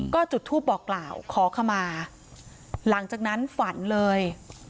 ก็จุดทูปบอกกล่าวขอขมาหลังจากนั้นฝันเลย